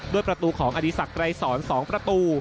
ด้วยประตูของอดีศักดิ์ไกรศร๒ประตู